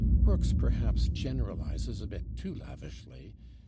Brooks, perhaps, generalizes a bit too lavishly.